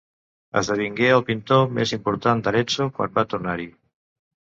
Esdevingué el pintor més important d'Arezzo quan va tornar-hi.